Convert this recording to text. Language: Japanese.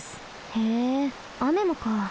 へえあめもか。